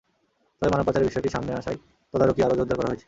তবে মানব পাচারের বিষয়টি সামনে আসায় তদারকি আরও জোরদার করা হয়েছে।